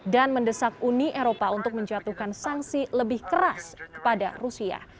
dan mendesak uni eropa untuk menjatuhkan sanksi lebih keras pada rusia